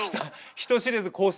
人知れずコース